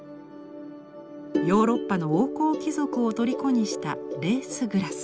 ヨーロッパの王侯貴族をとりこにしたレース・グラス。